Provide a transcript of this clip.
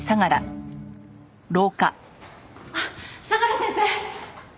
あっ相良先生！